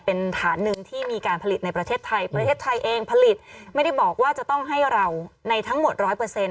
เป็นฐานหนึ่งที่มีการผลิตในประเทศไทยประเทศไทยเองผลิตไม่ได้บอกว่าจะต้องให้เราในทั้งหมดร้อยเปอร์เซ็น